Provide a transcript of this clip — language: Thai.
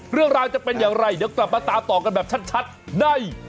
เรื่องราวจะเป็นอย่างไรเดี๋ยวกลับมาตามต่อกันแบบชัดใน